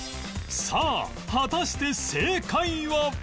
さあ果たして正解は？